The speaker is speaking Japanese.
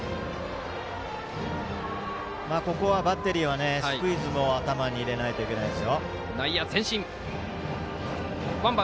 ここはバッテリーはスクイズも頭に入れないといけません。